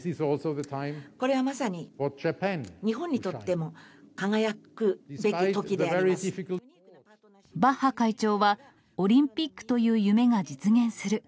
これはまさに日本にとっても輝くバッハ会長はオリンピックという夢が実現する。